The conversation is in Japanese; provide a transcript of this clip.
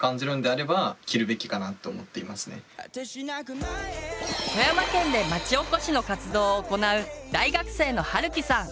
僕は富山県で町おこしの活動を行う大学生のはるきさん。